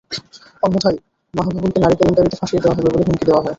অন্যথায় মাহবুবুলকে নারী কেলেঙ্কারিতে ফাঁসিয়ে দেওয়া হবে বলে হুমকি দেওয়া হয়।